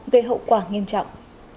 gây hậu quả nghiêm trọng